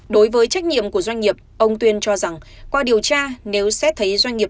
đối với trách nhiệm của doanh nghiệp ông tuyên cho rằng qua điều tra nếu xét thấy doanh nghiệp